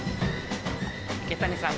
池谷さん